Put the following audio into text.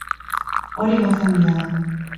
Hori gauza handia da.